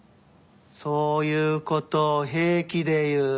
そういう事を平気で言う。